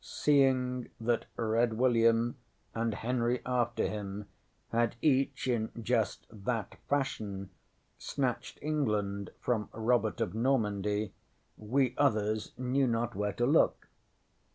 ŌĆØ ŌĆśSeeing that Red William and Henry after him had each in just that fashion snatched England from Robert of Normandy, we others knew not where to look.